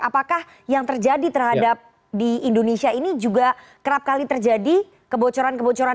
apakah yang terjadi terhadap di indonesia ini juga kerap kali terjadi kebocoran kebocoran